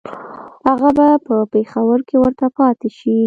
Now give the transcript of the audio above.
هغه به په پېښور کې ورته پاته شي.